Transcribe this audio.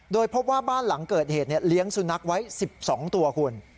โดยพบว่าบ้านหลังเกิดเหตุเลี้ยงสุนัขไว้๑๒ตัวคุณ